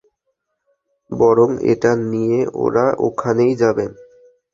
এবং, এটা নিয়ে ওরা ওখানেই যাবে!